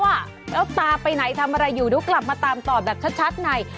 แล้วตาไปไหนทำอะไรอยู่เดี๋ยวกลับมาตามต่อแบบชัดใน